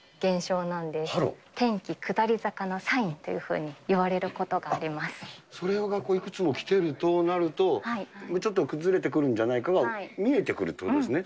天気下り坂のサインというふそれが、いくつも来てるとなると、ちょっと崩れてくるんじゃないかが見えてくるということですね。